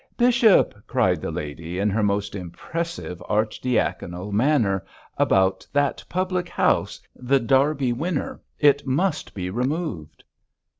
'Bishop!' cried the lady, in her most impressive archidiaconal manner, 'about that public house, The Derby Winner, it must be removed.'